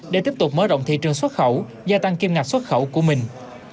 để tiếp tục mở rộng thị trường xuất khẩu gia tăng kiêm ngặt xuất khẩu của mình